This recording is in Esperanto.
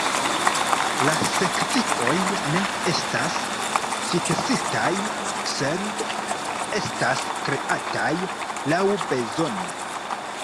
La Sekcioj ne estas fiksitaj, sed estas kreataj laŭbezone.